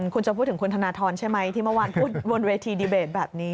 คุณจะพูดถึงคุณธนทรใช่ไหมที่เมื่อวานพูดบนเวทีดีเบตแบบนี้